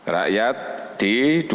rakyat di dua ratus lima puluh empat